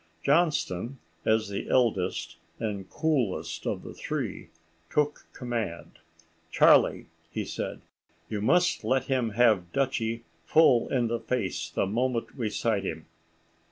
Johnston, as the eldest and coolest of the three, took command. "Charlie," said he, "you must let him have Dutchie full in the face the moment we sight him.